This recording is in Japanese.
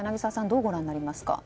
どうご覧になりますか。